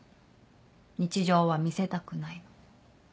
日常は見せたくないの。